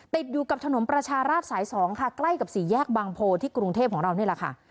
ติดอยู่กับถนนประชาราชสาย๒ค่ะใกล้กับสี่แยกบางโพที่กรุงเทพของเรานี่แหละค่ะ